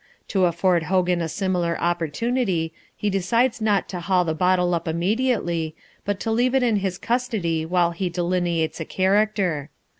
To afford Hogan a similar opportunity, he decides not to haul the bottle up immediately, but to leave it in his custody while he delineates a character.